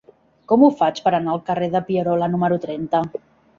Com ho faig per anar al carrer de Pierola número trenta?